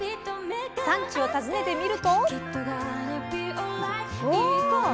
産地を訪ねてみると。